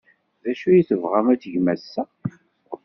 D acu ay tebɣam ad tgem ass-a?